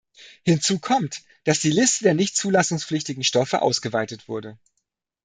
Hinzu kommt, dass die Liste der nicht zulassungspflichtigen Stoffe ausgeweitet wurde.